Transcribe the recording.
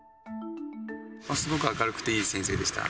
すごく明るくて、いい先生でした。